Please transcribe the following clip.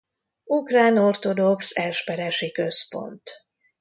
Ukrán ortodox esperesi központ.